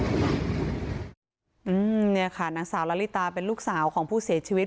เนี่ยค่ะนางสาวละลิตาเป็นลูกสาวของผู้เสียชีวิต